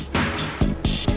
kamu cin ei